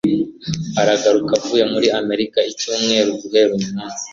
aragaruka avuye muri amerika icyumweru guhera uyu munsi